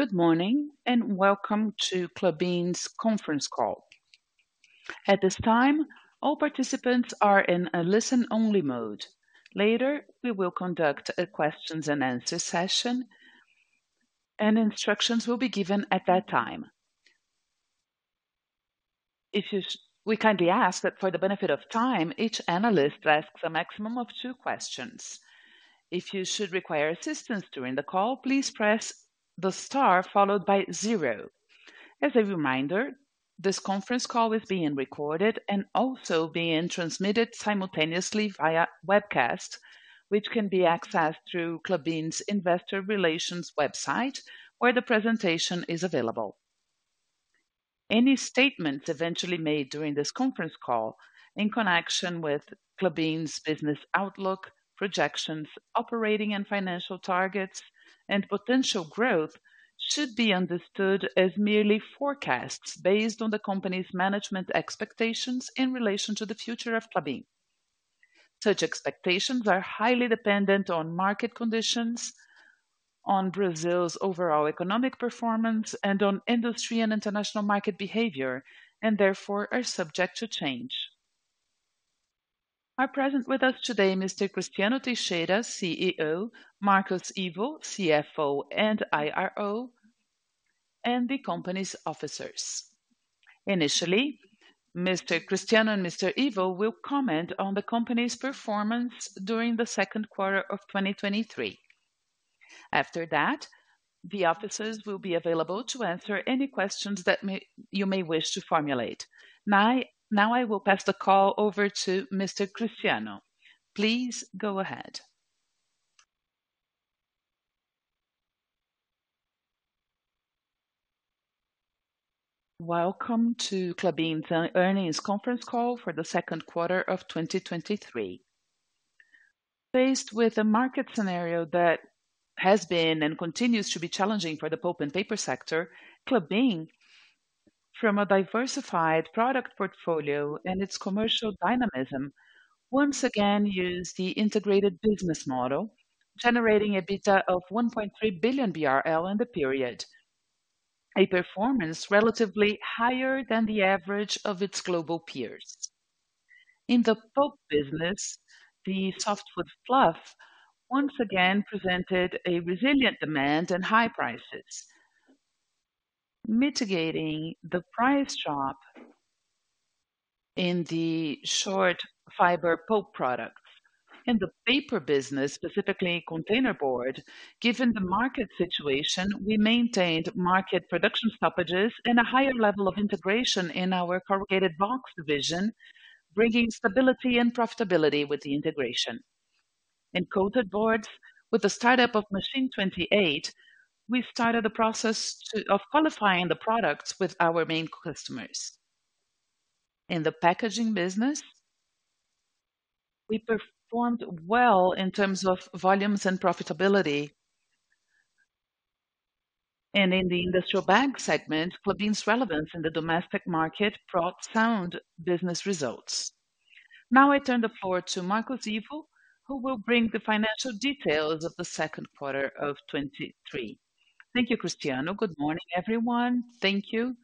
Welcome to Klabin's conference call. At this time, all participants are in a listen-only mode. Later, we will conduct a questions and answer session. Instructions will be given at that time. We kindly ask that for the benefit of time, each analyst asks a maximum of two questions. If you should require assistance during the call, please press the star followed by zero. As a reminder, this conference call is being recorded. Also being transmitted simultaneously via webcast, which can be accessed through Klabin's Investor Relations website, where the presentation is available. Any statements eventually made during this conference call in connection with Klabin's business outlook, projections, operating and financial targets, and potential growth should be understood as merely forecasts based on the company's management expectations in relation to the future of Klabin. Such expectations are highly dependent on market conditions, on Brazil's overall economic performance, and on industry and international market behavior, and therefore are subject to change. Are present with us today, Mr. Cristiano Teixeira, CEO, Marcos Ivo, CFO and IRO, and the company's officers. Initially, Mr. Cristiano and Mr. Ivo will comment on the company's performance during the second quarter of 2023. After that, the officers will be available to answer any questions that you may wish to formulate. Now I will pass the call over to Mr. Cristiano. Please go ahead. Welcome to Klabin's Earnings conference call for the second quarter of 2023. Faced with a market scenario that has been and continues to be challenging for the pulp and paper sector, Klabin, from a diversified product portfolio and its commercial dynamism, once again used the integrated business model, generating a EBITDA of 1.3 billion BRL in the period, a performance relatively higher than the average of its global peers. In the pulp business, the softwood fluff once again presented a resilient demand and high prices, mitigating the price drop in the short fiber pulp products. In the paper business, specifically containerboard, given the market situation, we maintained market production stoppages and a higher level of integration in our corrugated box division, bringing stability and profitability with the integration. In coated board, with the startup of Machine 28, we started the process of qualifying the products with our main customers. In the packaging business, we performed well in terms of volumes and profitability. In the industrial bag segment, Klabin's relevance in the domestic market brought sound business results. I turn the floor to Marcos Ivo, who will bring the financial details of the second quarter of 2023. Thank you, Cristiano. Good morning, everyone. Thank you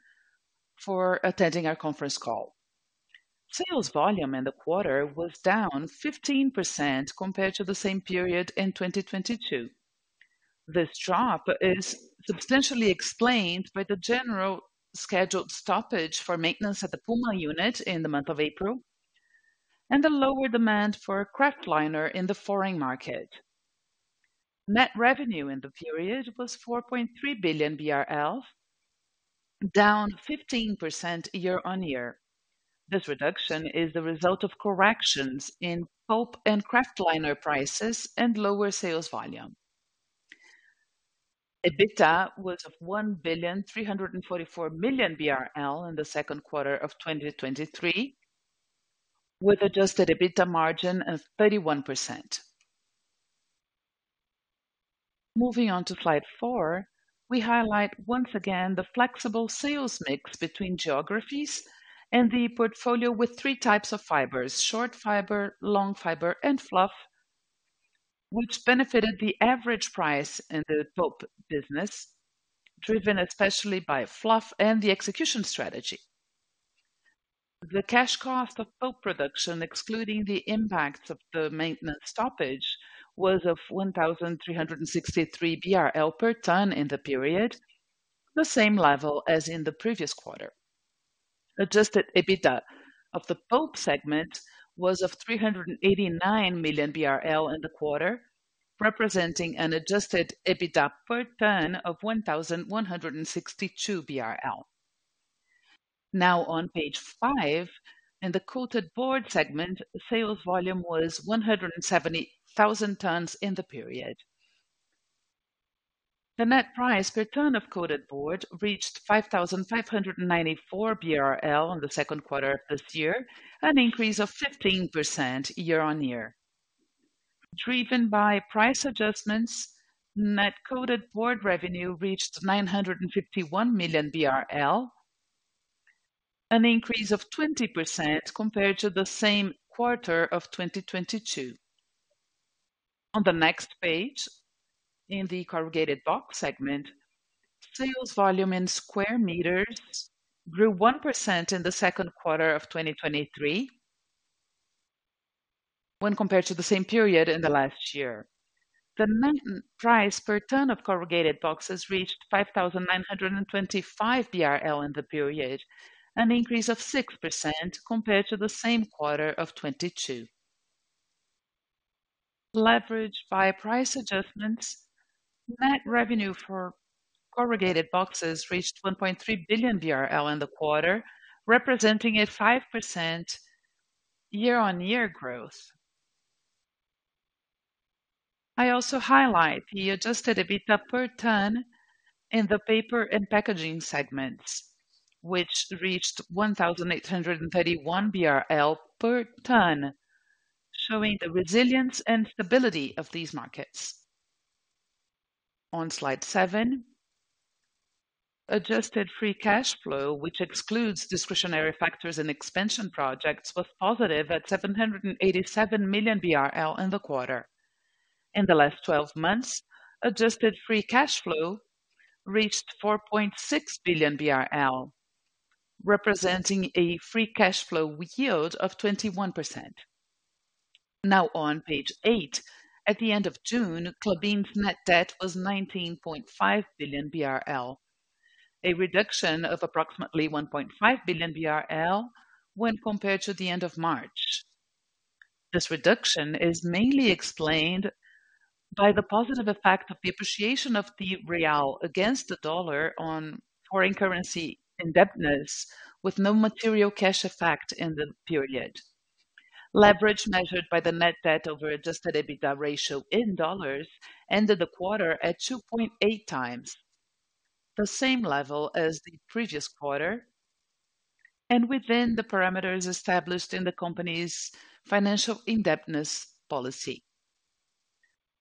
for attending our conference call. Sales volume in the quarter was down 15% compared to the same period in 2022. This drop is substantially explained by the general scheduled stoppage for maintenance at the Puma unit in the month of April and the lower demand for kraftliner in the foreign market. Net revenue in the period was 4.3 billion BRL, down 15% year-on-year. This reduction is the result of corrections in pulp and kraftliner prices and lower sales volume. EBITDA was of 1.344 billion BRL in the 2Q 2023, with adjusted EBITDA margin of 31%. Moving on to slide four, we highlight once again the flexible sales mix between geographies and the portfolio with three types of fibers: short fiber, long fiber, and fluff, which benefited the average price in the pulp business, driven especially by fluff and the execution strategy. The cash cost of pulp production, excluding the impacts of the maintenance stoppage, was of 1,363 BRL per ton in the period, the same level as in the previous quarter. Adjusted EBITDA of the pulp segment was of 389 million BRL in the quarter, representing an adjusted EBITDA per ton of 1,162 BRL. Now on page five, in the coated board segment, sales volume was 170,000 tons in the period. The net price per ton of coated board reached 5,594 BRL in the second quarter of this year, an increase of 15% year-on-year. Driven by price adjustments, net coated board revenue reached 951 million BRL. An increase of 20% compared to the same quarter of 2022. On the next page, in the corrugated box segment, sales volume in square meters grew 1% in the second quarter of 2023, when compared to the same period in the last year. The net price per ton of corrugated boxes reached 5,925 BRL in the period, an increase of 6% compared to the same quarter of 2022. Leveraged by price adjustments, net revenue for corrugated boxes reached 1.3 billion BRL in the quarter, representing a 5% year-on-year growth. I also highlight the adjusted EBITDA per ton in the paper and packaging segments, which reached 1,831 BRL per ton, showing the resilience and stability of these markets. On slide seven, adjusted free cash flow, which excludes discretionary factors and expansion projects, was positive at 787 million BRL in the quarter. In the last 12 months, adjusted free cash flow reached 4.6 billion BRL, representing a free cash flow yield of 21%. On page eight, at the end of June, Klabin's net debt was 19.5 billion BRL, a reduction of approximately 1.5 billion BRL when compared to the end of March. This reduction is mainly explained by the positive effect of the appreciation of the real against the dollar on foreign currency indebtedness, with no material cash effect in the period. Leverage measured by the net debt over adjusted EBITDA ratio in dollars ended the quarter at 2.8x, the same level as the previous quarter, and within the parameters established in the company's financial indebtedness policy.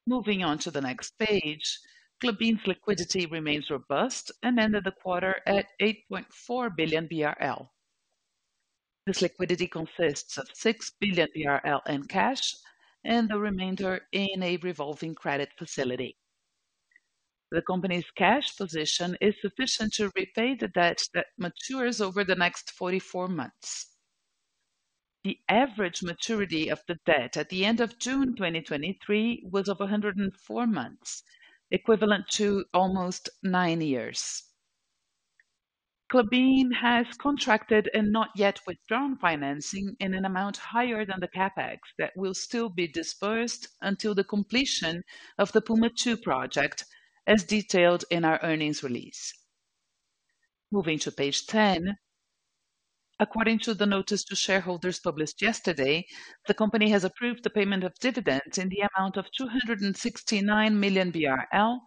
Moving on to the next page, Klabin's liquidity remains robust and ended the quarter at 8.4 billion BRL. This liquidity consists of 6 billion BRL in cash and the remainder in a revolving credit facility. The company's cash position is sufficient to repay the debt that matures over the next 44 months. The average maturity of the debt at the end of June 2023 was of 104 months, equivalent to almost nine years. Klabin has contracted and not yet withdrawn financing in an amount higher than the CapEx that will still be dispersed until the completion of the Puma Two project, as detailed in our earnings release. Moving to page 10. According to the notice to shareholders published yesterday, the company has approved the payment of dividends in the amount of 269 million BRL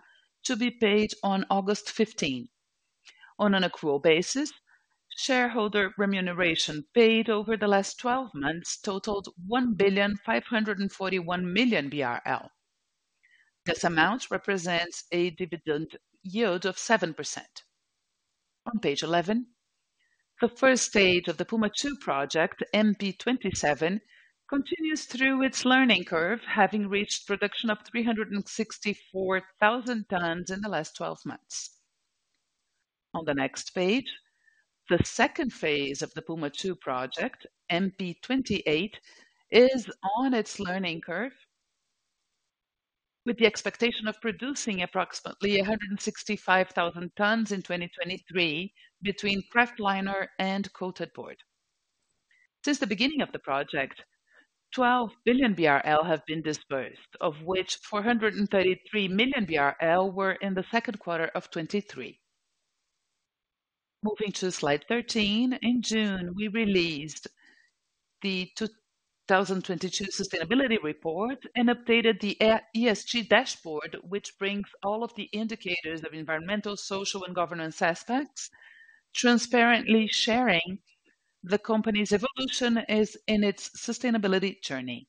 to be paid on August 15. On an accrual basis, shareholder remuneration paid over the last 12 months totaled 1.541 billion BRL. This amount represents a dividend yield of 7%. On page 11, the first stage of the Puma Two project, MP27, continues through its learning curve, having reached production of 364,000 tons in the last 12 months. On the next page, the second phase of the Puma II project, MP28, is on its learning curve with the expectation of producing approximately 165,000 tons in 2023 between kraftliner and coated board. Since the beginning of the project, 12 billion BRL have been disbursed, of which 433 million BRL were in the second quarter of 2023. Moving to slide 13. In June, we released the 2022 sustainability report and updated the ESG dashboard, which brings all of the indicators of environmental, social, and governance aspects, transparently sharing the company's evolution is in its sustainability journey.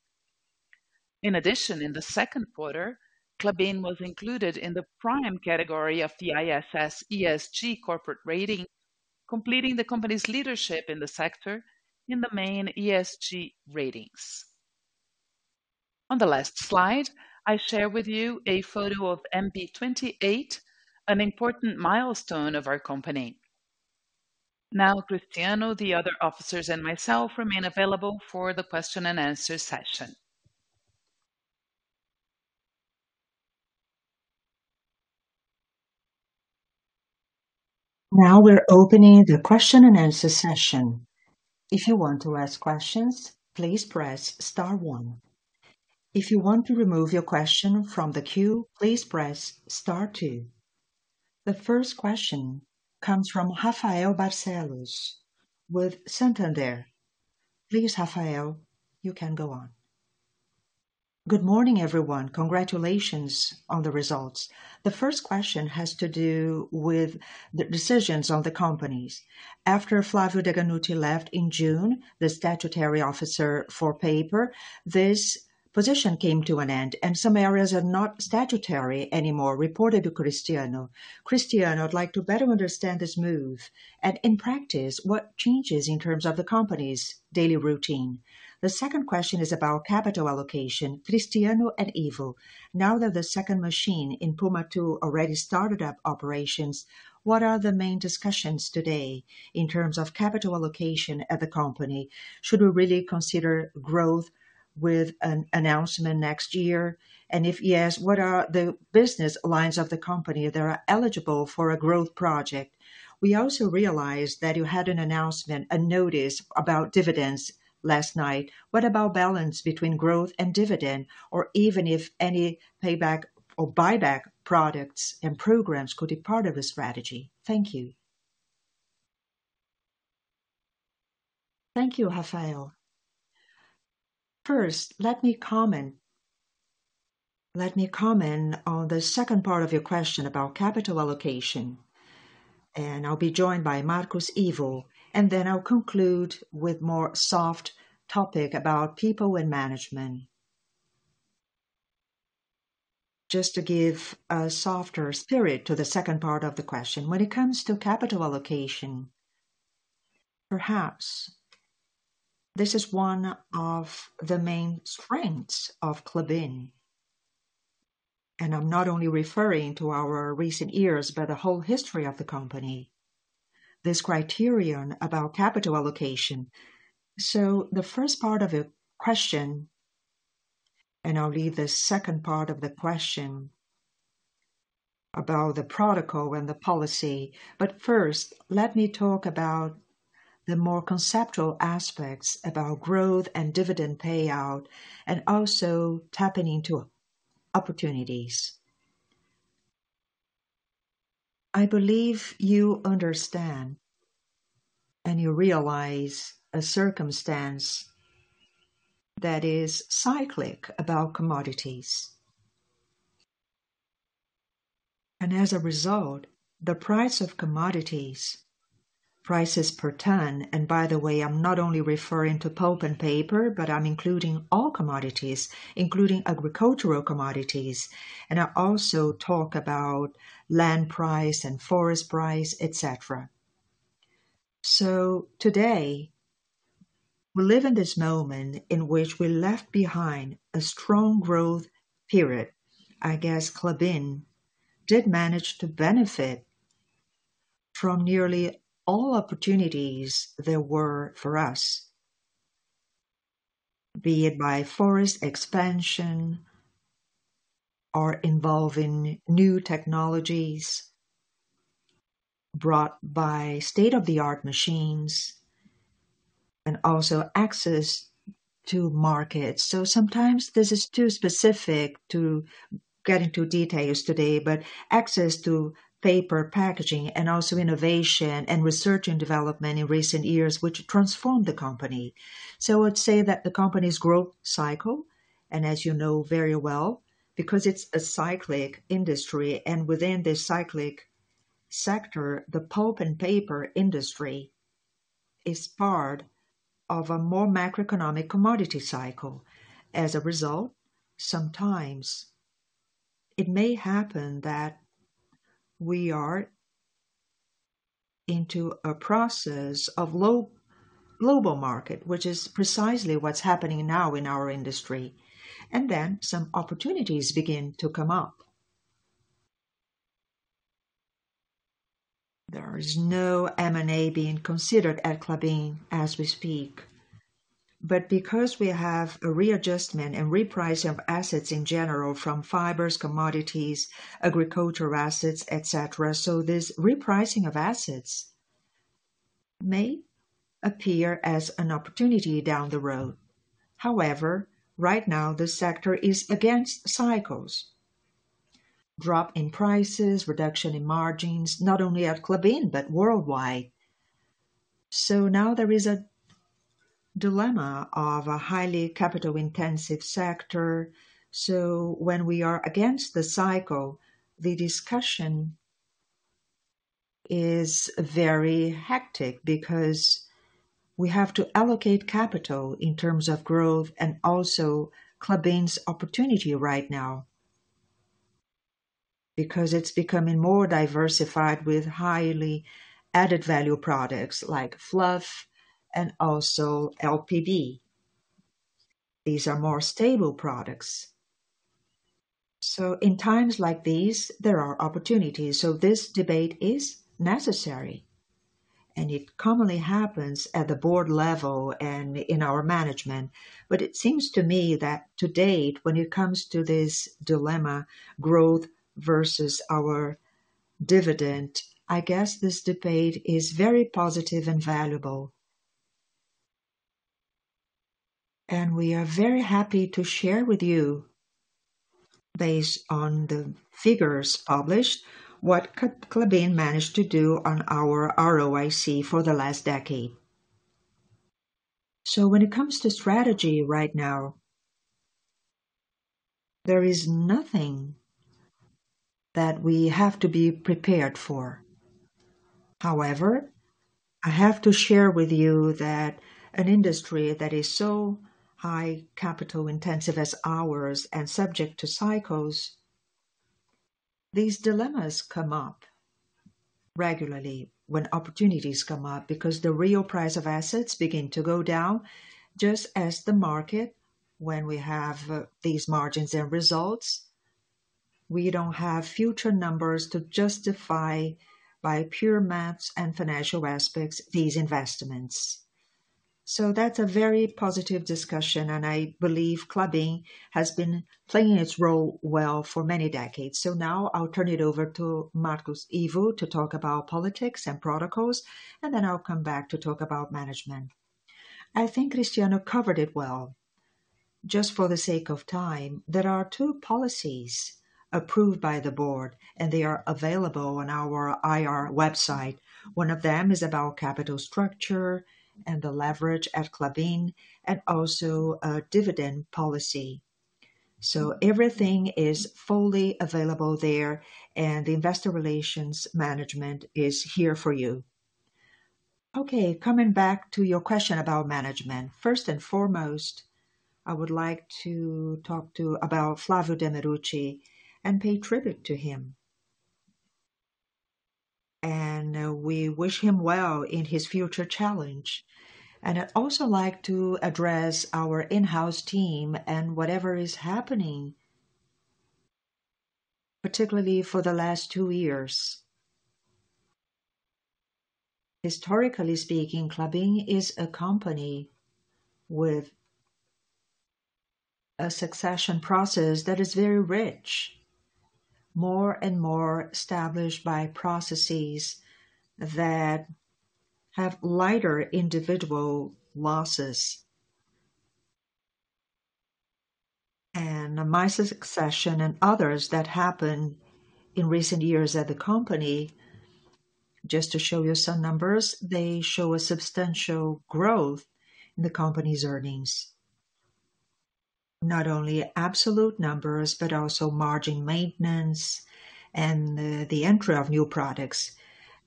In addition, in the second quarter, Klabin was included in the prime category of the ISS ESG corporate rating, completing the company's leadership in the sector in the main ESG ratings. On the last slide, I share with you a photo of MP28, an important milestone of our company. Cristiano, the other officers, and myself remain available for the question and answer session. Now we're opening the question-and-answer session. If you want to ask questions, please press star one. If you want to remove your question from the queue, please press star two. The first question comes from Rafael Barcellos with Santander. Please, Rafael, you can go on. Good morning, everyone. Congratulations on the results. The first question has to do with the decisions on the companies. After Flavio Deganutti left in June, the statutory officer for paper, this position came to an end, and some areas are not statutory anymore, reported to Cristiano. Cristiano, I'd like to better understand this move, and in practice, what changes in terms of the company's daily routine? The second question is about capital allocation. Cristiano and Ivo, now that the second machine in Puma II already started up operations, what are the main discussions today in terms of capital allocation at the company? Should we really consider growth with an announcement next year? If yes, what are the business lines of the company that are eligible for a growth project? We also realized that you had an announcement, a notice about dividends last night. What about balance between growth and dividend, or even if any payback or buyback products and programs could be part of the strategy? Thank you. Thank you, Rafael. First, let me comment on the second part of your question about capital allocation, and I'll be joined by Marcos Ivo, and then I'll conclude with more soft topic about people and management. Just to give a softer spirit to the second part of the question, when it comes to capital allocation, perhaps this is one of the main strengths of Klabin, and I'm not only referring to our recent years, but the whole history of the company, this criterion about capital allocation. The first part of your question, and I'll leave the second part of the question about the protocol and the policy. First, let me talk about the more conceptual aspects about growth and dividend payout, and also tapping into opportunities. I believe you understand, and you realize a circumstance that is cyclic about commodities. As a result, the price of commodities, prices per ton, and by the way, I'm not only referring to pulp and paper, but I'm including all commodities, including agricultural commodities, and I also talk about land price and forest price, etc. Today, we live in this moment in which we left behind a strong growth period. I guess Klabin did manage to benefit from nearly all opportunities there were for us, be it by forest expansion or involving new technologies brought by state-of-the-art machines and also access to markets. Sometimes this is too specific to get into details today, but access to paper packaging and also innovation and research and development in recent years, which transformed the company. I would say that the company's growth cycle, and as you know very well, because it's a cyclic industry, and within this cyclic sector, the pulp and paper industry is part of a more macroeconomic commodity cycle. As a result, sometimes it may happen that we are into a process of low global market, which is precisely what's happening now in our industry, then some opportunities begin to come up. There is no M&A being considered at Klabin as we speak, because we have a readjustment and repricing of assets in general from fibers, commodities, agricultural assets, etc., this repricing of assets may appear as an opportunity down the road. However, right now, the sector is against cycles, drop in prices, reduction in margins, not only at Klabin, but worldwide. Now there is a dilemma of a highly capital-intensive sector. When we are against the cycle, the discussion is very hectic because we have to allocate capital in terms of growth and also Klabin's opportunity right now, because it's becoming more diversified with highly added value products like fluff and also LPB. These are more stable products. In times like these, there are opportunities. This debate is necessary, and it commonly happens at the board level and in our management. It seems to me that to date, when it comes to this dilemma, growth versus our dividend, I guess this debate is very positive and valuable. We are very happy to share with you, based on the figures published, what Klabin managed to do on our ROIC for the last decade. When it comes to strategy right now, there is nothing that we have to be prepared for.... However, I have to share with you that an industry that is so high capital intensive as ours and subject to cycles, these dilemmas come up regularly when opportunities come up, because the real price of assets begin to go down, just as the market. When we have these margins and results, we don't have future numbers to justify by pure math and financial aspects, these investments. That's a very positive discussion, and I believe Klabin has been playing its role well for many decades. Now I'll turn it over to Marcos Ivo to talk about politics and protocols, and then I'll come back to talk about management. I think Cristiano covered it well. Just for the sake of time, there are two policies approved by the board, and they are available on our IR website. One of them is about capital structure and the leverage at Klabin, and also a dividend policy. Everything is fully available there, and the investor relations management is here for you. Okay, coming back to your question about management. First and foremost, I would like to talk about Flávio Deganutti and pay tribute to him. We wish him well in his future challenge. I'd also like to address our in-house team and whatever is happening, particularly for the last two years. Historically speaking, Klabin is a company with a succession process that is very rich, more and more established by processes that have lighter individual losses. My succession and others that happened in recent years at the company, just to show you some numbers, they show a substantial growth in the company's earnings. Not only absolute numbers, but also margin maintenance and the entry of new products.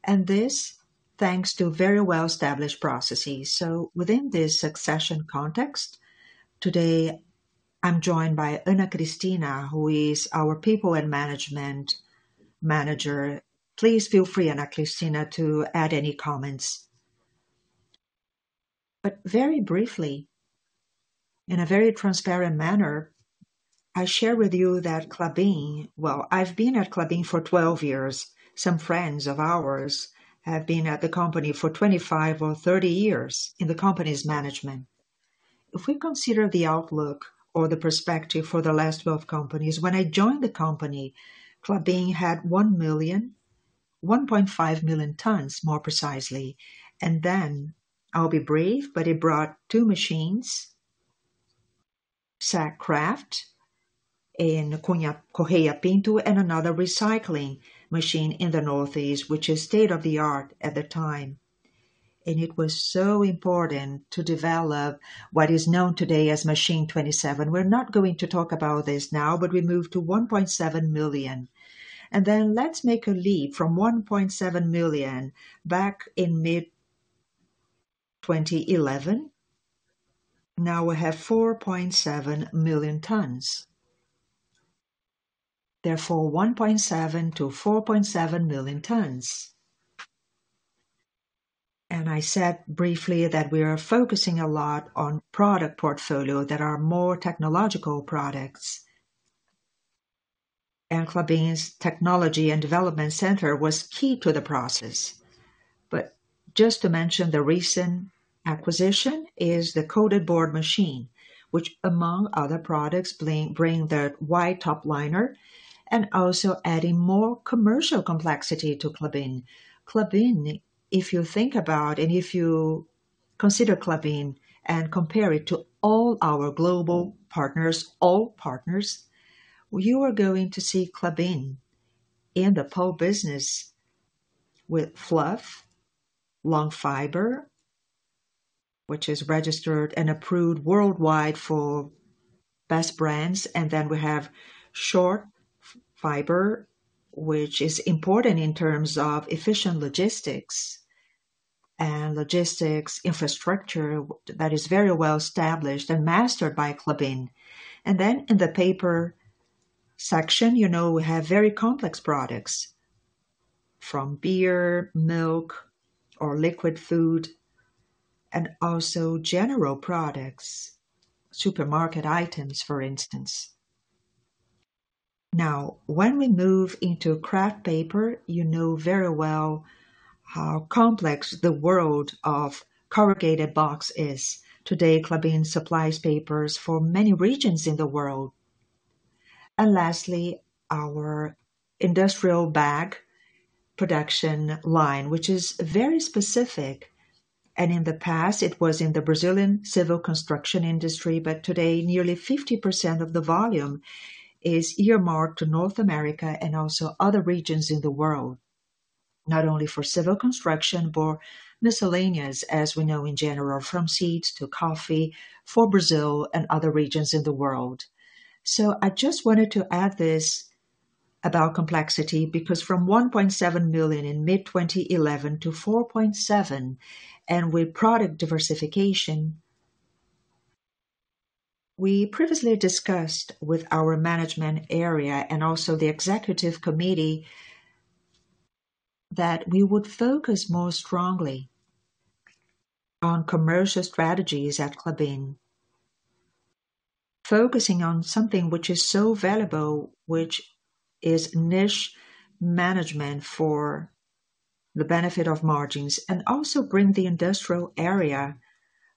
This, thanks to very well-established processes. Within this succession context, today, I'm joined by Ana Cristina, who is our people and management manager. Please feel free, Ana Cristina, to add any comments. Very briefly, in a very transparent manner, I share with you that Klabin-- well, I've been at Klabin for 12 years. Some friends of ours have been at the company for 25 or 30 years in the company's management. If we consider the outlook or the perspective for the last 12 companies, when I joined the company, Klabin had 1 million, 1.5 million tons, more precisely. Then I'll be brave, but it brought two machines, Sack Kraft in Cunha Pinto, and another recycling machine in the Northeast, which is state-of-the-art at the time. It was so important to develop what is known today as Machine 27. We're not going to talk about this now, but we moved to 1.7 million. Let's make a leap from 1.7 million back in mid-2011. Now we have 4.7 million tons. Therefore, 1.7 million-4.7 million tons. I said briefly that we are focusing a lot on product portfolio that are more technological products. Klabin's technology and development center was key to the process. Just to mention, the recent acquisition is the coated board machine, which, among other products, bring the White Top Liner and also adding more commercial complexity to Klabin. Klabin, if you think about and if you consider Klabin and compare it to all our global partners, all partners, you are going to see Klabin in the pulp business with fluff, long fiber, which is registered and approved worldwide for best brands. Then we have short fiber, which is important in terms of efficient logistics and logistics infrastructure that is very well established and mastered by Klabin. Then in the paper section, you know, we have very complex products, from beer, milk, or liquid food, and also general products, supermarket items, for instance. Now, when we move into kraft paper, you know very well how complex the world of corrugated box is. Today, Klabin supplies papers for many regions in the world. Lastly, our industrial bag production line, which is very specific. In the past, it was in the Brazilian civil construction industry, but today, nearly 50% of the volume is earmarked to North America and also other regions in the world, not only for civil construction, but miscellaneous, as we know in general, from seeds to coffee for Brazil and other regions in the world. I just wanted to add this about complexity, because from 1.7 million in mid-2011 to 4.7, and with product diversification. We previously discussed with our management area and also the executive committee, that we would focus more strongly on commercial strategies at Klabin. Focusing on something which is so valuable, which is niche management for the benefit of margins, and also bring the industrial area,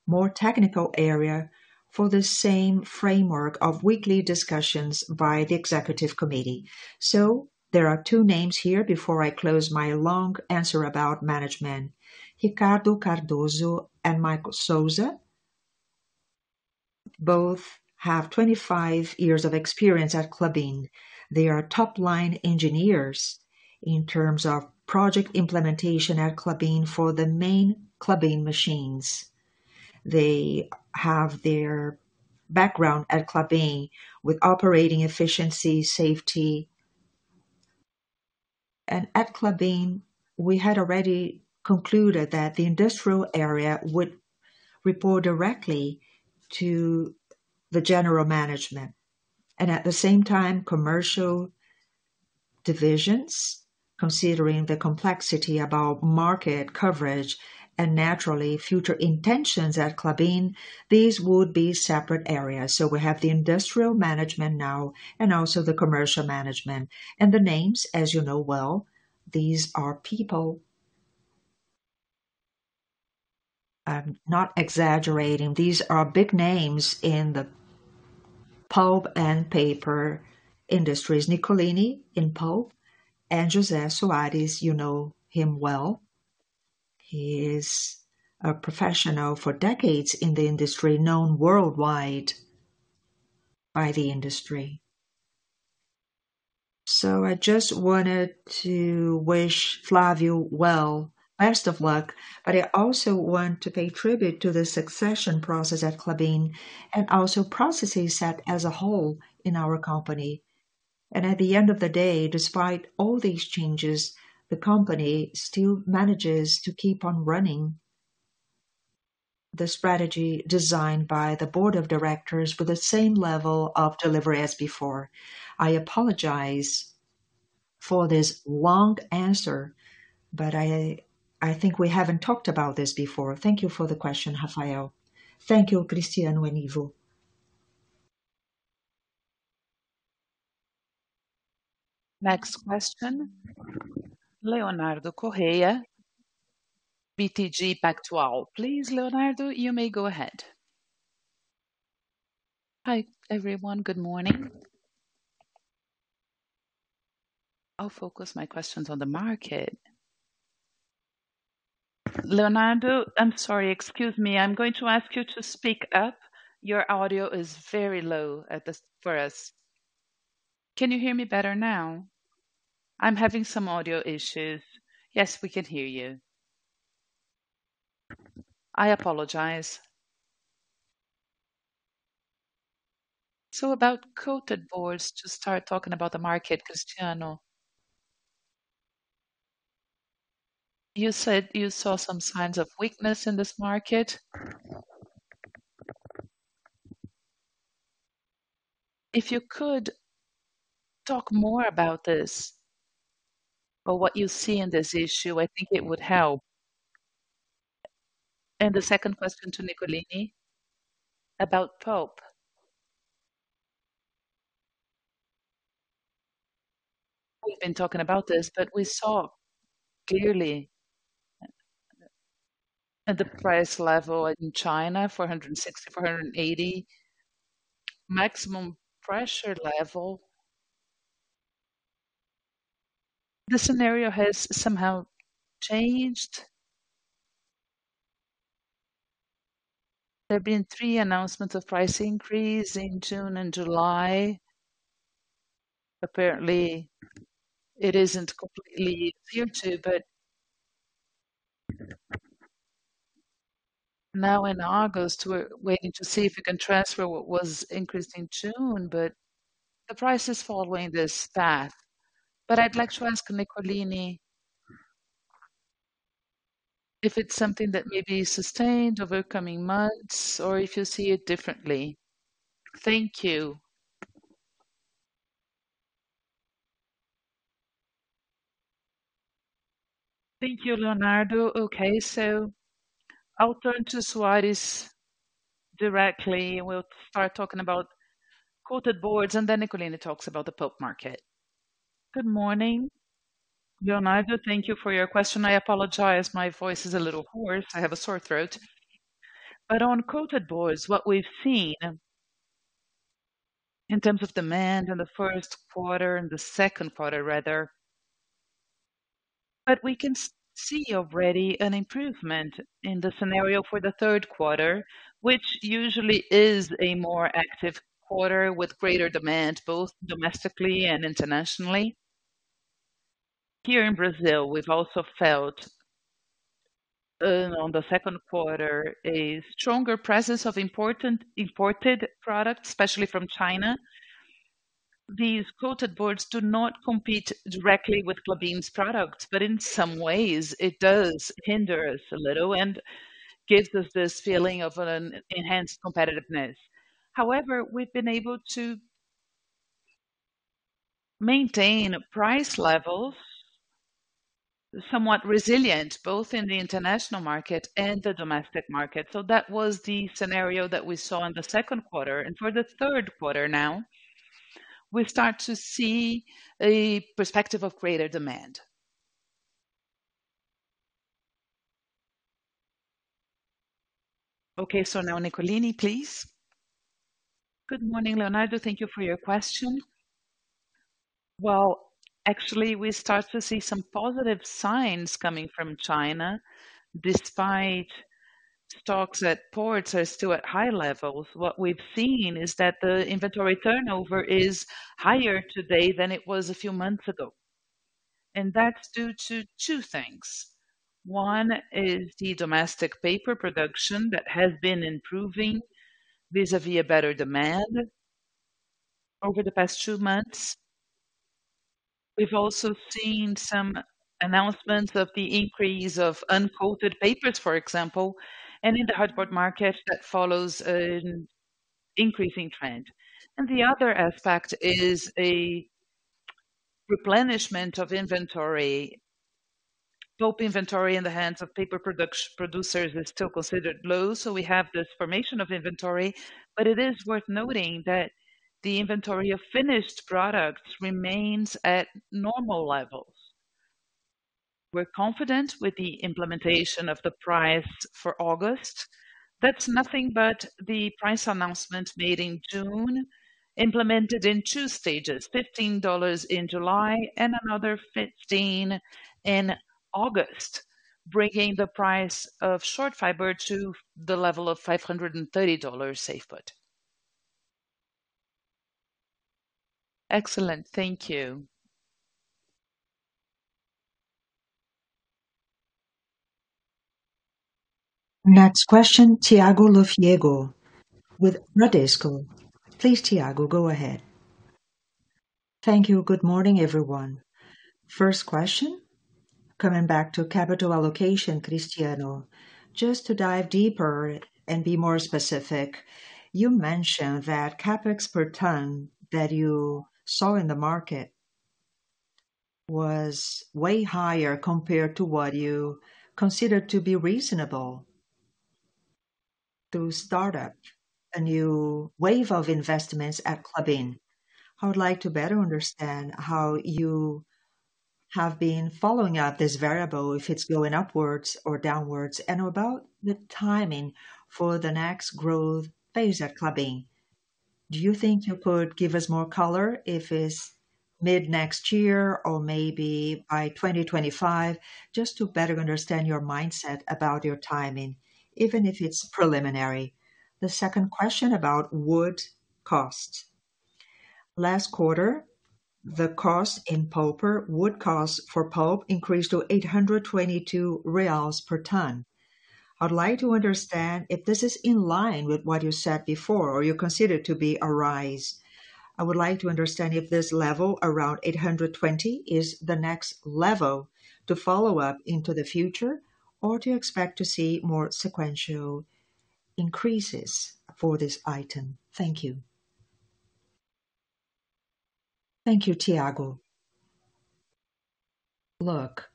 more technical area, for the same framework of weekly discussions by the executive committee. There are two names here before I close my long answer about management. Ricardo Cardoso and Michel Souza, both have 25 years of experience at Klabin. They are top line engineers in terms of project implementation at Klabin for the main Klabin machines. They have their background at Klabin with operating efficiency, safety. At Klabin, we had already concluded that the industrial area would report directly to the general management. At the same time, commercial divisions, considering the complexity about market coverage and naturally future intentions at Klabin, these would be separate areas. We have the industrial management now and also the commercial management. The names, as you know well, these are people. I'm not exaggerating, these are big names in the pulp and paper industries. Nicolini in pulp, and José Soares, you know him well. He is a professional for decades in the industry, known worldwide by the industry. I just wanted to wish Flavio well, best of luck, but I also want to pay tribute to the succession process at Klabin, and also processes set as a whole in our company. At the end of the day, despite all these changes, the company still manages to keep on running the strategy designed by the board of directors with the same level of delivery as before. I apologize for this long answer, but I think we haven't talked about this before. Thank you for the question, Rafael. Thank you, Cristiano and Ivo. Next question, Leonardo Correa, BTG Pactual. Please, Leonardo, you may go ahead. Hi, everyone. Good morning. I'll focus my questions on the market. Leonardo, I'm sorry. Excuse me. I'm going to ask you to speak up. Your audio is very low at this for us. Can you hear me better now? I'm having some audio issues. Yes, we can hear you. I apologize. About coated boards, to start talking about the market, Cristiano. You said you saw some signs of weakness in this market. If you could talk more about this or what you see in this issue, I think it would help. The second question to Nicolini, about pulp. We've been talking about this, but we saw clearly at the price level in China, $460, $480, maximum pressure level. The scenario has somehow changed. There have been three announcements of price increase in June and July. Apparently, it isn't completely viewed to, but now in August, we're waiting to see if we can transfer what was increased in June, but the price is following this path. I'd like to ask Nicolini, if it's something that may be sustained over coming months or if you see it differently. Thank you. Thank you, Leonardo. Okay, I'll turn to Soares directly, and we'll start talking about coated boards, and then Nicolini talks about the pulp market. Good morning, Leonardo. Thank you for your question. I apologize, my voice is a little hoarse. I have a sore throat. On coated boards, what we've seen in terms of demand in the first quarter, in the second quarter rather, we can see already an improvement in the scenario for the third quarter, which usually is a more active quarter with greater demand, both domestically and internationally. Here in Brazil, we've also felt, on the second quarter, a stronger presence of imported products, especially from China. These coated boards do not compete directly with Klabin's products, but in some ways it does hinder us a little and gives us this feeling of an enhanced competitiveness. However, we've been able to maintain price levels somewhat resilient, both in the international market and the domestic market. That was the scenario that we saw in the second quarter. For the third quarter now, we start to see a perspective of greater demand. Now Nicolini, please. Good morning, Leonardo. Thank you for your question. Well, actually, we start to see some positive signs coming from China, despite stocks at ports are still at high levels. What we've seen is that the inventory turnover is higher today than it was a few months ago, and that's due to two things. One is the domestic paper production that has been improving vis-à-vis a better demand over the past two months. We've also seen some announcements of the increase of Uncoated paper, for example, and in the hardboard market, that follows an increasing trend. The other aspect is a replenishment of inventory. Pulp inventory in the hands of paper producers is still considered low, so we have this formation of inventory, but it is worth noting that the inventory of finished products remains at normal levels. We're confident with the implementation of the price for August. That's nothing but the price announcement made in June, implemented in two stages, $15 in July and another $15 in August, bringing the price of short fiber to the level of $530 CIF. Excellent. Thank you. Next question, Thiago Lofiego with Bradesco. Please, Thiago, go ahead. Thank you. Good morning, everyone. First question, coming back to capital allocation, Cristiano, just to dive deeper and be more specific, you mentioned that CapEx per ton that you saw in the market was way higher compared to what you considered to be reasonable to start up a new wave of investments at Klabin. I would like to better understand how you have been following up this variable, if it's going upwards or downwards, and about the timing for the next growth phase at Klabin. Do you think you could give us more color, if it's mid-next year or maybe by 2025, just to better understand your mindset about your timing, even if it's preliminary. The second question about wood cost. Last quarter, the cost in pulp or wood cost for pulp increased to 822 reais per ton. I'd like to understand if this is in line with what you said before or you consider to be a rise. I would like to understand if this level, around 820 BRL, is the next level to follow up into the future, or do you expect to see more sequential increases for this item? Thank you. Thank you, Thiago. Look,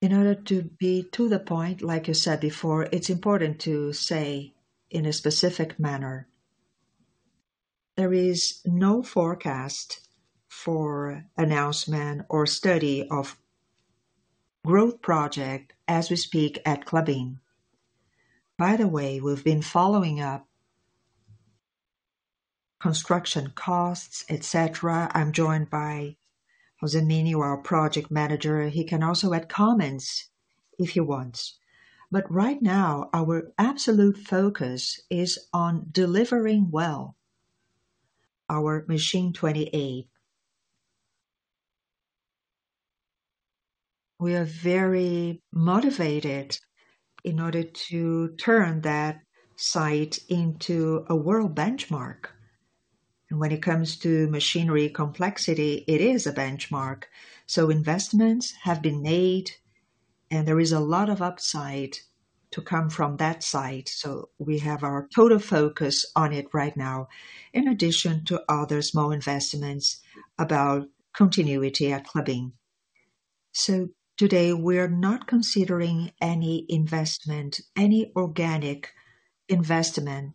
in order to be to the point, like you said before, it's important to say in a specific manner, there is no forecast for announcement or study of growth project as we speak at Klabin. By the way, we've been following up construction costs, etc. I'm joined by Josemini, our project manager. He can also add comments if he wants. Right now, our absolute focus is on delivering well our machine 20-A. We are very motivated in order to turn that site into a world benchmark, and when it comes to machinery complexity, it is a benchmark. Investments have been made, and there is a lot of upside to come from that site. We have our total focus on it right now, in addition to other small investments about continuity at Klabin. Today, we're not considering any investment, any organic investment,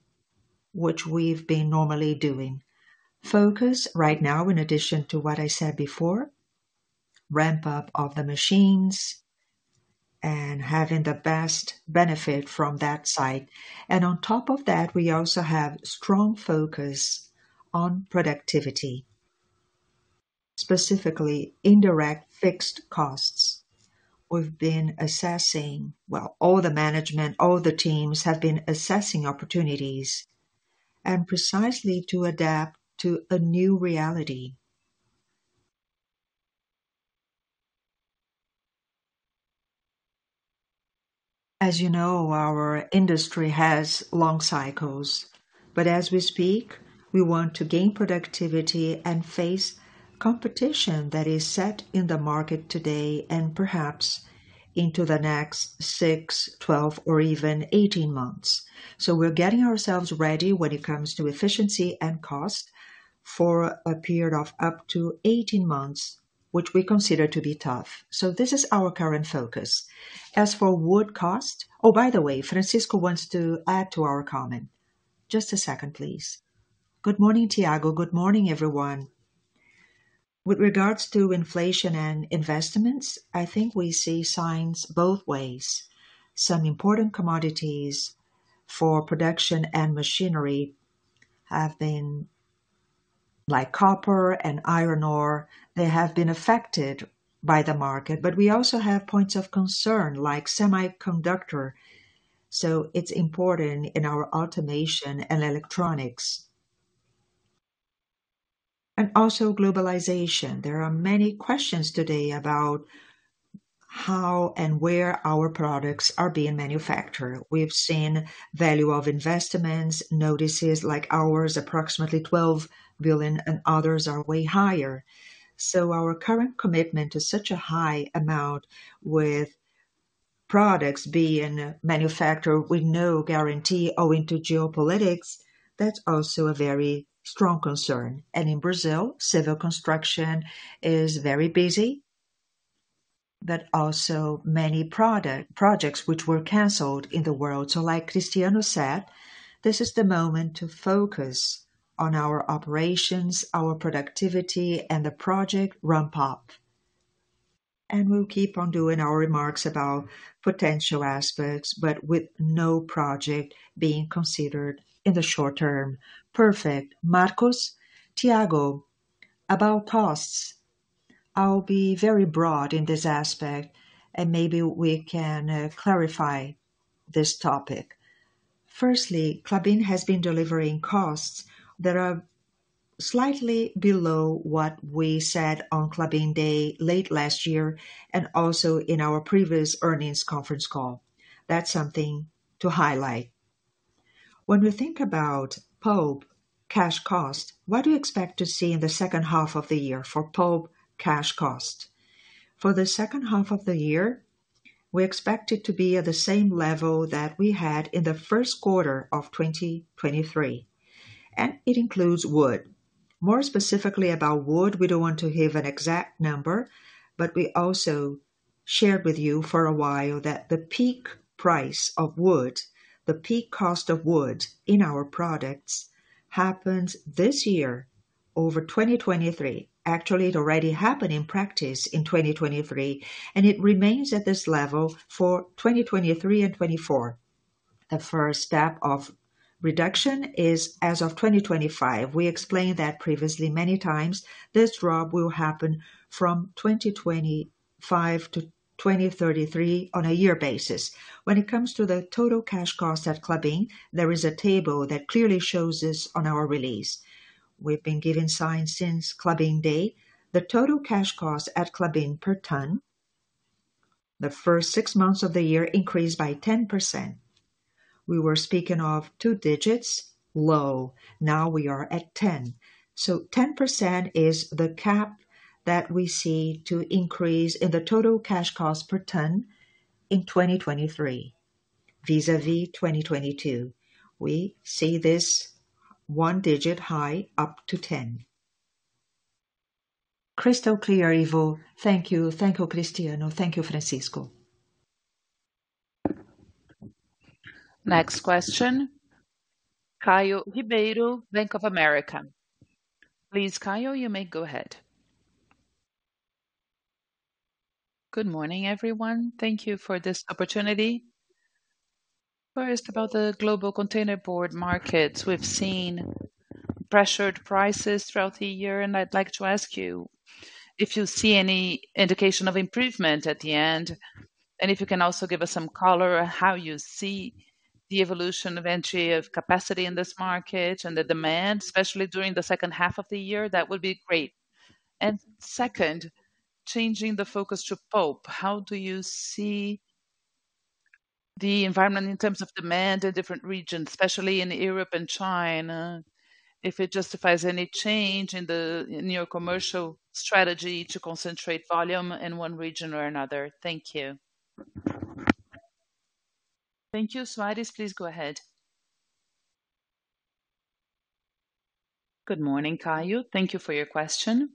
which we've been normally doing. Focus right now, in addition to what I said before, ramp up of the machines and having the best benefit from that site. On top of that, we also have strong focus on productivity, specifically indirect fixed costs. We've been assessing. Well, all the management, all the teams have been assessing opportunities and precisely to adapt to a new reality. As you know, our industry has long cycles, as we speak, we want to gain productivity and face competition that is set in the market today and perhaps into the next six, 12, or even 18 months. We're getting ourselves ready when it comes to efficiency and cost for a period of up to 18 months, which we consider to be tough. This is our current focus. As for wood cost. Oh, by the way, Francisco wants to add to our comment. Just a second, please. Good morning, Thiago. Good morning, everyone. With regards to inflation and investments, I think we see signs both ways. Some important commodities for production and machinery have been, like copper and iron ore, they have been affected by the market, but we also have points of concern like semiconductor, so it's important in our automation and electronics. Also globalization. There are many questions today about how and where our products are being manufactured. We've seen value of investments, notices like ours, approximately 12 billion, and others are way higher. Our current commitment to such a high amount with products being manufactured with no guarantee owing to geopolitics, that's also a very strong concern. In Brazil, civil construction is very busy, but also many projects which were canceled in the world. Like Cristiano said, this is the moment to focus on our operations, our productivity, and the project ramp up. We'll keep on doing our remarks about potential aspects, but with no project being considered in the short term. Perfect. Marcos? Thiago, about costs. I'll be very broad in this aspect. Maybe we can clarify this topic. Firstly, Klabin has been delivering costs that are slightly below what we said on Klabin Day, late last year. Also in our previous earnings conference call. That's something to highlight. When we think about pulp cash cost, what do you expect to see in the second half of the year for pulp cash cost? For the second half of the year, we expect it to be at the same level that we had in the first quarter of 2023. It includes wood. More specifically about wood, we don't want to give an exact number, but we also shared with you for a while that the peak price of wood, the peak cost of wood in our products, happens this year, over 2023. Actually, it already happened in practice in 2023, and it remains at this level for 2023 and 2024. The first step of reduction is as of 2025. We explained that previously, many times. This drop will happen from 2025 to 2033 on a year basis. When it comes to the total cash cost at Klabin, there is a table that clearly shows this on our release. We've been giving signs since Klabin Day. The total cash cost at Klabin per ton, the first six months of the year increased by 10%. We were speaking of two digits low, now we are at 10%. 10% is the cap that we see to increase in the total cash cost per ton in 2023, vis-a-vis 2022. We see this 1 digit high up to 10%. Crystal clear, Ivo. Thank you. Thank you, Cristiano. Thank you, Francisco. Next question, Caio Ribeiro, Bank of America. Please, Caio, you may go ahead. Good morning, everyone. Thank you for this opportunity. First, about the global containerboard markets. We've seen pressured prices throughout the year, and I'd like to ask you if you see any indication of improvement at the end, and if you can also give us some color on how you see the evolution of entry of capacity in this market and the demand, especially during the second half of the year. That would be great. Second, changing the focus to pulp, how do you see the environment in terms of demand in different regions, especially in Europe and China, if it justifies any change in the, in your commercial strategy to concentrate volume in one region or another? Thank you. Thank you. Soares, please go ahead. Good morning, Caio. Thank you for your question.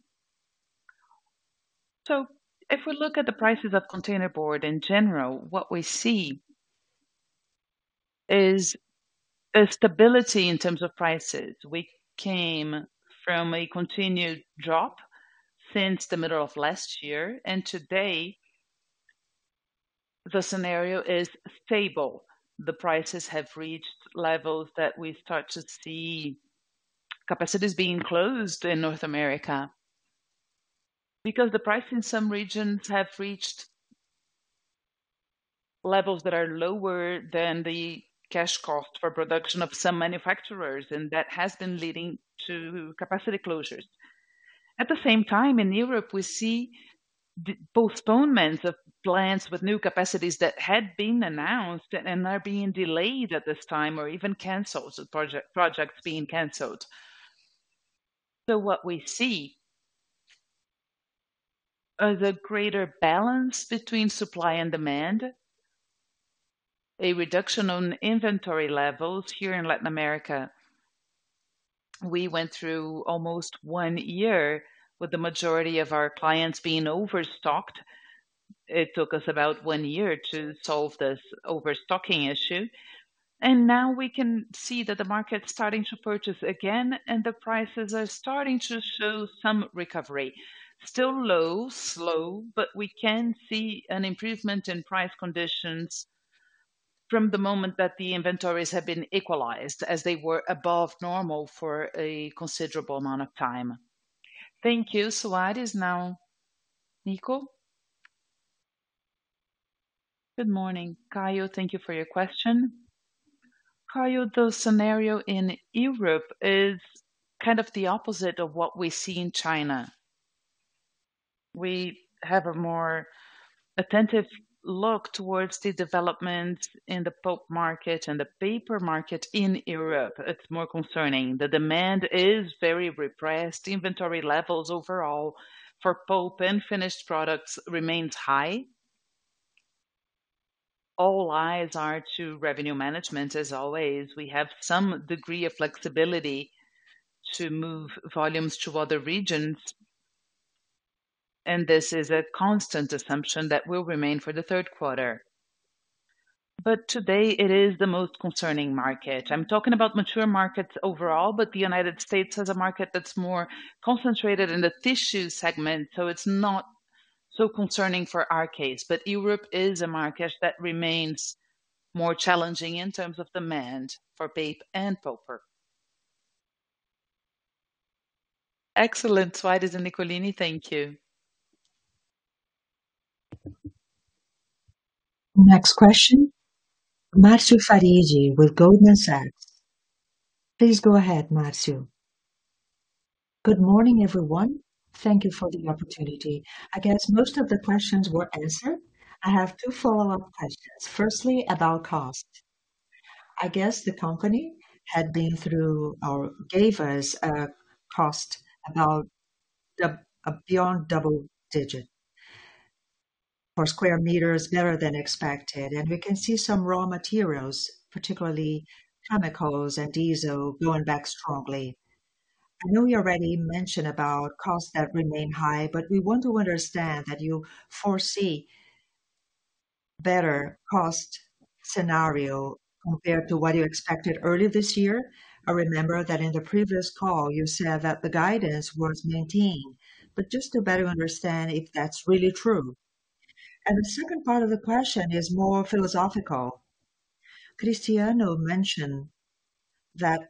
If we look at the prices of containerboard in general, what we see is a stability in terms of prices. We came from a continued drop since the middle of last year, today, the scenario is stable. The prices have reached levels that we start to see capacities being closed in North America, because the price in some regions have reached levels that are lower than the cash cost for production of some manufacturers, and that has been leading to capacity closures. At the same time, in Europe, we see the postponements of plans with new capacities that had been announced and are being delayed at this time, or even canceled, projects being canceled. What we see is a greater balance between supply and demand, a reduction on inventory levels. Here in Latin America, we went through almost one year with the majority of our clients being overstocked. It took us about one year to solve this overstocking issue, and now we can see that the market's starting to purchase again and the prices are starting to show some recovery. Still low, slow, we can see an improvement in price conditions from the moment that the inventories have been equalized as they were above normal for a considerable amount of time. Thank you, Soares. Now, Nico. Good morning, Caio. Thank you for your question. Caio, the scenario in Europe is kind of the opposite of what we see in China. We have a more attentive look towards the development in the pulp market and the paper market in Europe. It's more concerning. The demand is very repressed. Inventory levels overall for pulp and finished products remains high. All eyes are to revenue management, as always. We have some degree of flexibility to move volumes to other regions, and this is a constant assumption that will remain for the third quarter. Today it is the most concerning market. I'm talking about mature markets overall, but the United States has a market that's more concentrated in the tissue segment, so it's not so concerning for our case. Europe is a market that remains more challenging in terms of demand for paper and pulp. Excellent. Soares and Nicolini, thank you. Next question, Marcio Farid, with Goldman Sachs. Please go ahead, Marcio. Good morning, everyone. Thank you for the opportunity. I guess most of the questions were answered. I have two follow-up questions. Firstly, about cost. I guess the company had been through or gave us a cost about the, a beyond double-digit per square meter is better than expected, and we can see some raw materials, particularly chemicals and diesel, going back strongly. I know you already mentioned about costs that remain high, but we want to understand that you foresee better cost scenario compared to what you expected earlier this year. I remember that in the previous call, you said that the guidance was maintained, but just to better understand if that's really true. The second part of the question is more philosophical. Cristiano mentioned that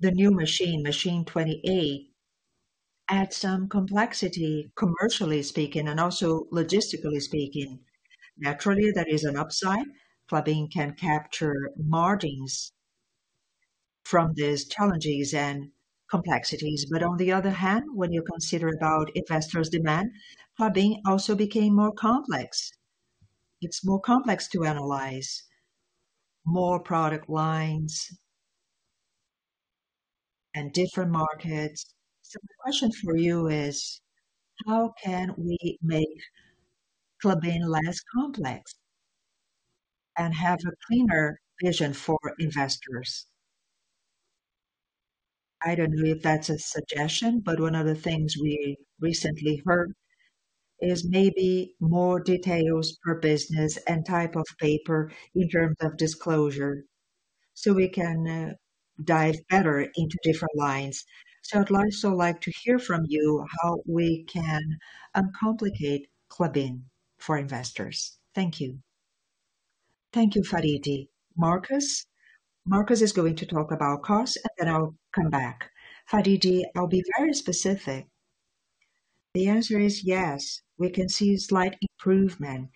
the new machine, Machine 28, adds some complexity, commercially speaking, and also logistically speaking. Naturally, that is an upside. Klabin can capture margins from these challenges and complexities, on the other hand, when you consider about investors' demand, Klabin also became more complex. It's more complex to analyze more product lines and different markets. My question for you is: How can we make Klabin less complex and have a cleaner vision for investors? I don't know if that's a suggestion, but one of the things we recently heard is maybe more details per business and type of paper in terms of disclosure, so we can dive better into different lines. I'd also like to hear from you how we can uncomplicate Klabin for investors. Thank you. Thank you, Farid. Marcos? Marcos is going to talk about cost, then I'll come back. Farid, I'll be very specific. The answer is yes, we can see slight improvement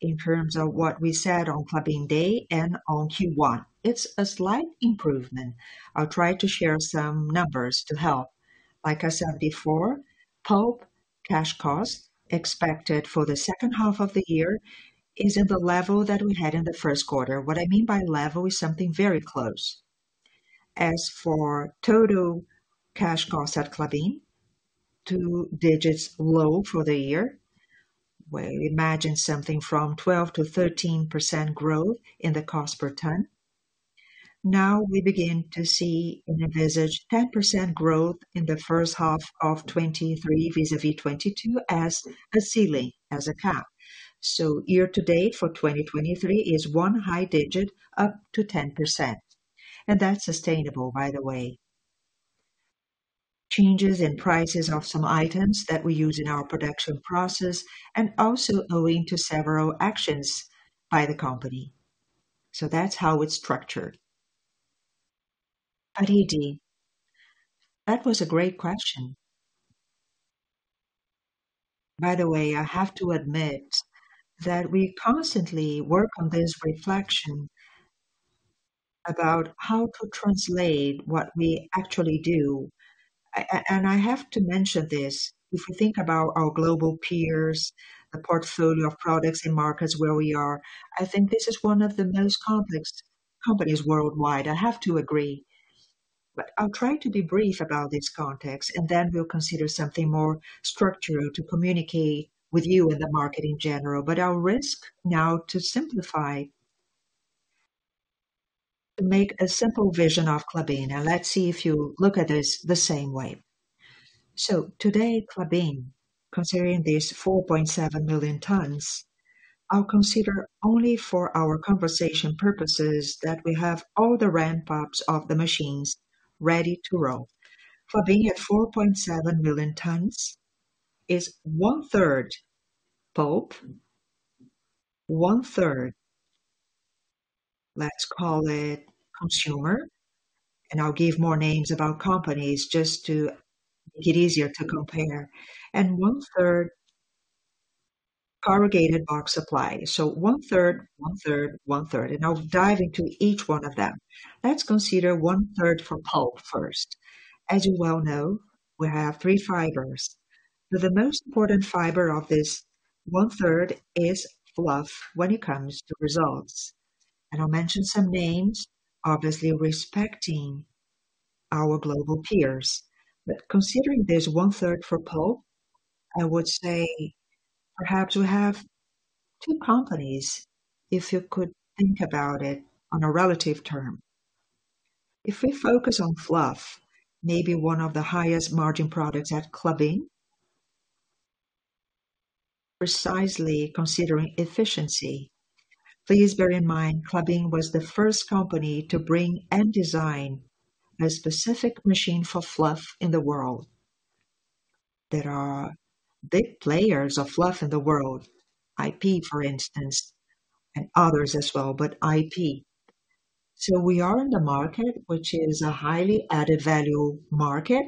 in terms of what we said on Klabin Day and on Q1. It's a slight improvement. I'll try to share some numbers to help. Like I said before, pulp cash cost expected for the second half of the year is at the level that we had in the 1st quarter. What I mean by level is something very close. As for total cash cost at Klabin, two digits low for the year. Imagine something from 12%-13% growth in the cost per ton. We begin to see and envisage 10% growth in the first half of 2023, vis-à-vis 2022, as a ceiling, as a cap. Year to date for 2023 is one high digit, up to 10%, and that's sustainable, by the way. Changes in prices of some items that we use in our production process and also owing to several actions by the company. That's how it's structured. Farid, that was a great question. By the way, I have to admit that we constantly work on this reflection about how to translate what we actually do. I have to mention this, if you think about our global peers, the portfolio of products and markets where we are, I think this is one of the most complex companies worldwide. I have to agree. I'll try to be brief about this context, and then we'll consider something more structural to communicate with you and the market in general. I'll risk now to simplify, to make a simple vision of Klabin, and let's see if you look at this the same way. Today, Klabin, considering these 4.7 million tons, I'll consider only for our conversation purposes, that we have all the ramp ups of the machines ready to roll. For being at 4.7 million tons is 1/3 pulp, 1/3, let's call it consumer, and I'll give more names about companies just to make it easier to compare, and 1/3 corrugated box supply. 1/3, 1/3, 1/3. I'll dive into each one of them. Let's consider 1/3 for pulp first. As you well know, we have three fibers, but the most important fiber of this 1/3 is fluff when it comes to results. I'll mention some names, obviously respecting our global peers. Considering there's 1/3 for pulp, I would say perhaps you have two companies, if you could think about it on a relative term. If we focus on fluff, maybe one of the highest margin products at Klabin. Precisely considering efficiency, please bear in mind, Klabin was the first company to bring and design a specific machine for fluff in the world. There are big players of fluff in the world, IP, for instance, and others as well, but IP. We are in the market, which is a highly added value market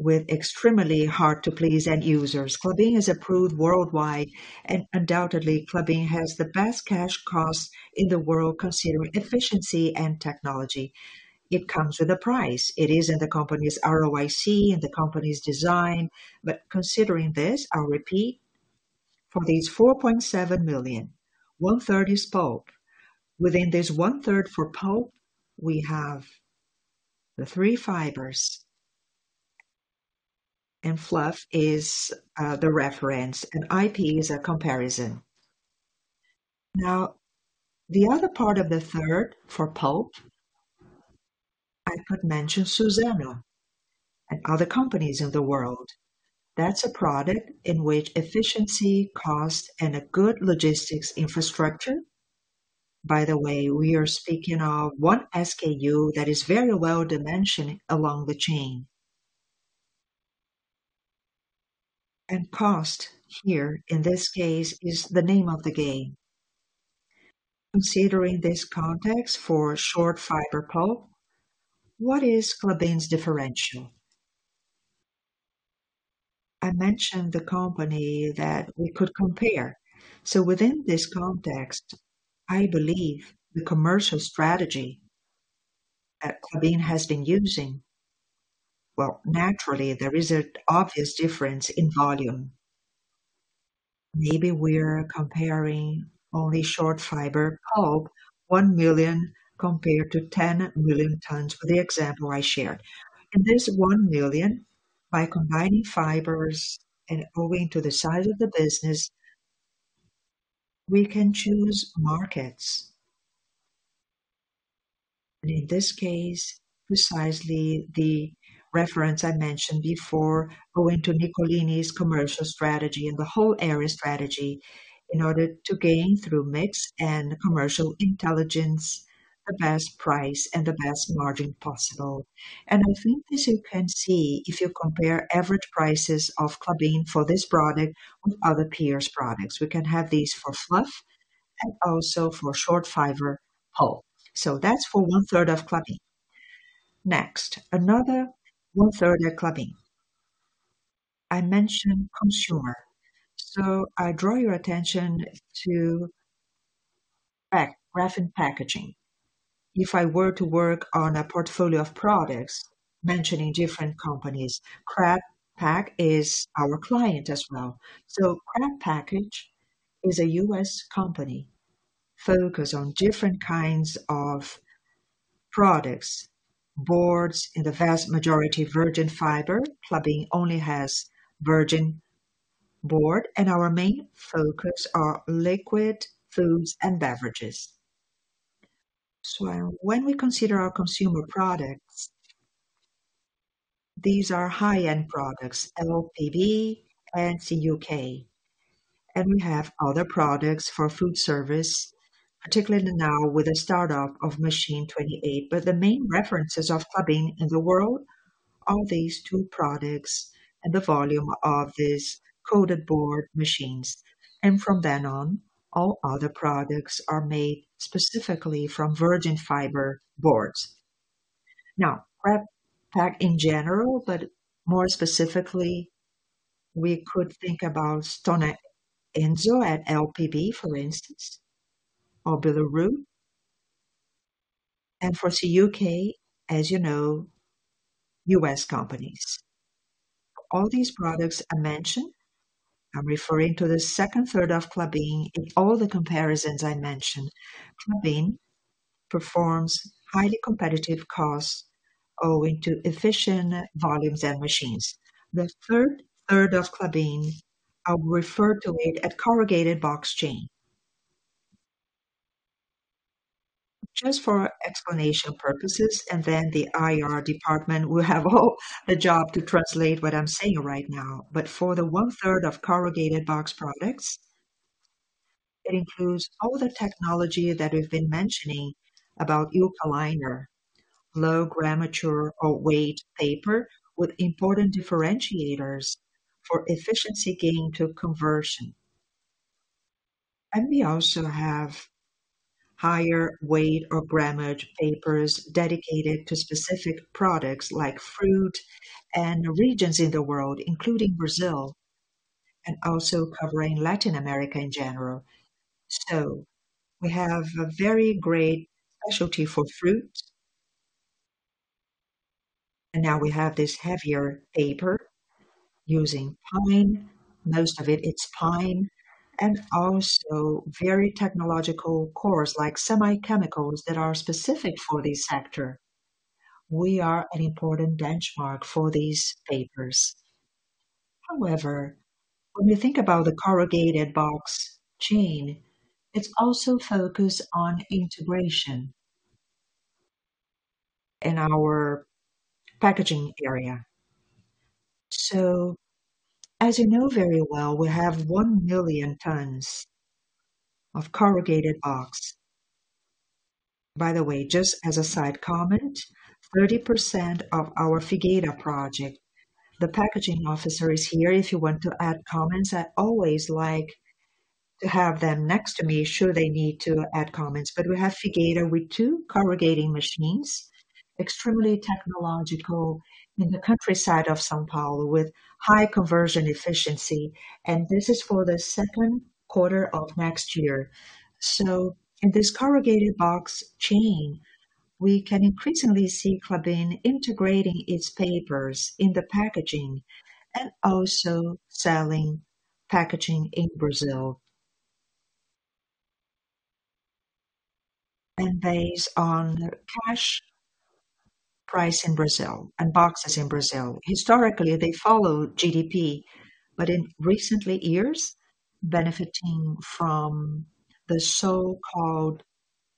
with extremely hard to please end users. Klabin is approved worldwide, and undoubtedly, Klabin has the best cash cost in the world considering efficiency and technology. It comes with a price. It is in the company's ROIC and the company's design. Considering this, I'll repeat, from these 4.7 million, 1/3 is pulp. Within this 1/3 for pulp, we have the three fibers, and fluff is the reference, and IP is a comparison. The other part of the third for pulp, I could mention Suzano and other companies in the world. That's a product in which efficiency, cost, and a good logistics infrastructure. By the way, we are speaking of one SKU that is very well dimensioned along the chain. Cost here, in this case, is the name of the game. Considering this context for short fiber pulp, what is Klabin's differential? I mentioned the company that we could compare. Within this context, I believe the commercial strategy that Klabin has been using, well, naturally, there is an obvious difference in volume. Maybe we're comparing only short fiber pulp, 1 million compared to 10 million tons, for the example I shared. This 1 million, by combining fibers and owing to the size of the business, we can choose markets. In this case, precisely the reference I mentioned before, going to Nicolini's commercial strategy and the whole area strategy in order to gain through mix and commercial intelligence, the best price and the best margin possible. I think this you can see if you compare average prices of Klabin for this product with other peers' products. We can have these for fluff and also for short fiber pulp. That's for 1/3 of Klabin. Next, another 1/3 of Klabin. I mentioned consumer, I draw your attention to Pack, Graphic Packaging. If I were to work on a portfolio of products mentioning different companies, Graphic Packaging is our client as well. Graphic Packaging is a U.S. company, focused on different kinds of products, boards, in the vast majority, virgin fiber. Klabin only has virgin board, and our main focus are liquid foods and beverages. When we consider our consumer products, these are high-end products, LPB and CUK. We have other products for food service, particularly now with the startup of Machine 28. The main references of Klabin in the world are these two products and the volume of these coated board machines. From then on, all other products are made specifically from virgin fiber boards. Pre-pack in general, but more specifically, we could think about Stora Enso at LPB, for instance, or Billerud. For the U.K., as you know, U.S. companies. All these products I mentioned, I'm referring to the second third of Klabin. In all the comparisons I mentioned, Klabin performs highly competitive costs owing to efficient volumes and machines. The third third of Klabin, I will refer to it as corrugated box chain. Just for explanation purposes, and then the IR department will have all the job to translate what I'm saying right now. For the 1/3 of corrugated box products, it includes all the technology that we've been mentioning about Eukaliner, low grammature or weight paper, with important differentiators for efficiency gaining to conversion. We also have higher weight or grammage papers dedicated to specific products like fruit and regions in the world, including Brazil, and also covering Latin America in general. We have a very great specialty for fruit. Now we have this heavier paper using pine. Most of it, it's pine and also very technological cores, like semi-chemical that are specific for this sector. We are an important benchmark for these papers. However, when we think about the corrugated box chain, it's also focused on integration in our packaging area. As you know very well, we have 1 billion tons of corrugated box. By the way, just as a side comment, 30% of our Figueira project, the packaging officer is here if you want to add comments. I always like to have them next to me, should they need to add comments. We have Figueira with two corrugating machines, extremely technological in the countryside of São Paulo, with high conversion efficiency, and this is for the second quarter of next year. In this corrugated box chain, we can increasingly see Klabin integrating its papers in the packaging and also selling packaging in Brazil. Based on the cash price in Brazil and boxes in Brazil. Historically, they follow GDP, but in recently years, benefiting from the so-called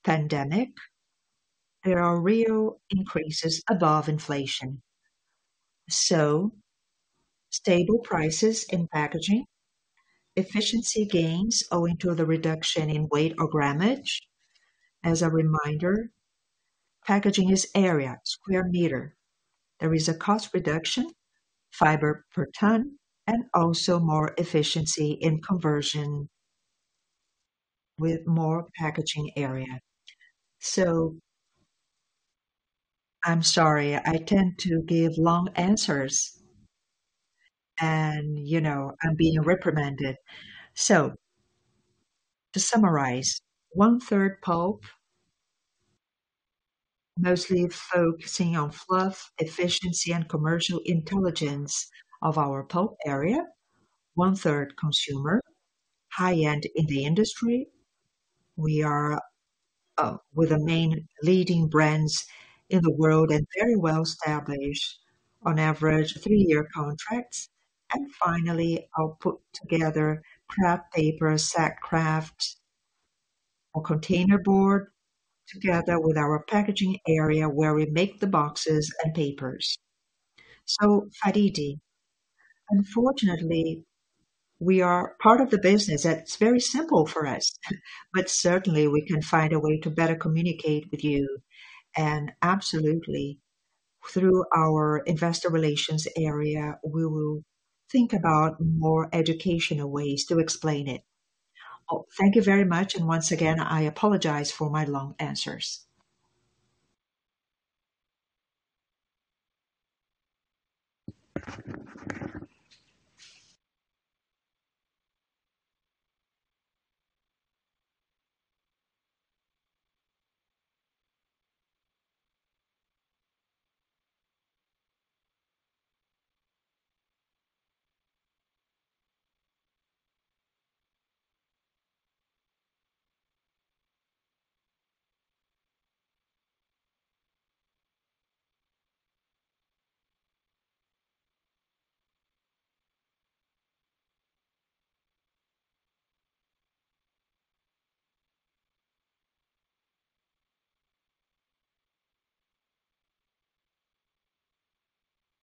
pandemic, there are real increases above inflation. Stable prices in packaging, efficiency gains owing to the reduction in weight or grammage. As a reminder, packaging is area, square meter. There is a cost reduction, fiber per ton, and also more efficiency in conversion with more packaging area. I'm sorry, I tend to give long answers and, you know, I'm being reprimanded. To summarize, 1/3 pulp, mostly focusing on fluff, efficiency, and commercial intelligence of our pulp area. 1/3 consumer, high-end in the industry. We are with the main leading brands in the world and very well established on average three-year contracts. Finally, I'll put together kraft paper, Sack Kraft or containerboard, together with our packaging area, where we make the boxes and papers. Faridi, unfortunately, we are part of the business, that's very simple for us, but certainly we can find a way to better communicate with you. Absolutely, through our investor relations area, we will think about more educational ways to explain it. Oh, thank you very much, and once again, I apologize for my long answers.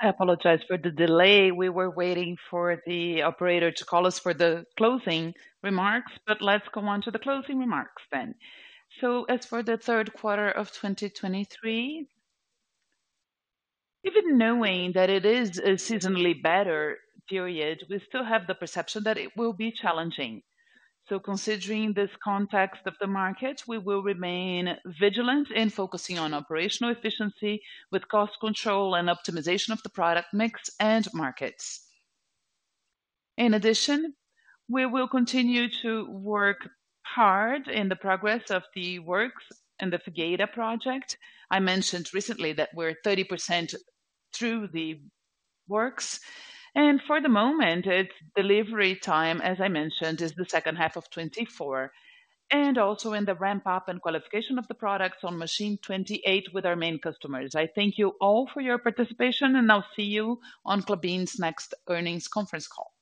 I apologize for the delay. We were waiting for the operator to call us for the closing remarks. Let's go on to the closing remarks then. As for the third quarter of 2023, even knowing that it is a seasonally better period, we still have the perception that it will be challenging. Considering this context of the market, we will remain vigilant in focusing on operational efficiency with cost control and optimization of the product mix and markets. In addition, we will continue to work hard in the progress of the works and the Figueira project. I mentioned recently that we're 30% through the works, and for the moment, its delivery time, as I mentioned, is the second half of 2024, and also in the ramp up and qualification of the products on Machine 28 with our main customers. I thank you all for your participation, and I'll see you on Klabin's next earnings conference call.